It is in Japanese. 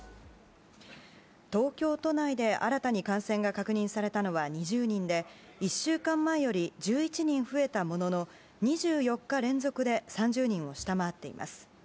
東京都内で新たに感染が確認されたのは２０人で１週間前より１１人増えたものの２４日連続で３０人を下回っています。